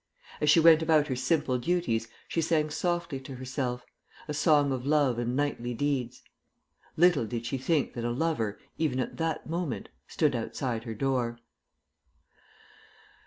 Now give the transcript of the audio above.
As she went about her simple duties she sang softly to herself, a song of love and knightly deeds. Little did she think that a lover, even at that moment, stood outside her door.